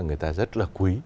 người ta rất là quý